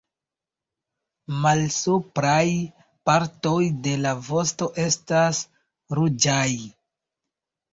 Malsupraj partoj de la vosto estas ruĝaj.